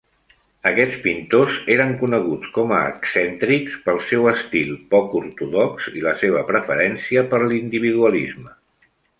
Aquests pintors eren coneguts com a "excèntrics" pel seu estil poc ortodox i la seva preferència per l'individualisme.